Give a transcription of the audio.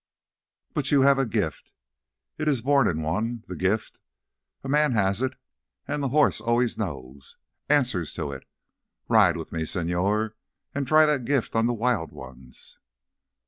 "But you have the gift. It is born in one—the gift. A man has it, and the horse always knows, answers to it. Ride with me, señor, and try that gift on the wild ones!"